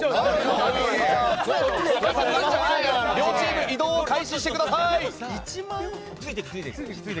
両チーム移動を開始してください。